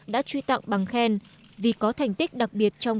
đã truy tặng bằng khen vì có thành tích đặc biệt trong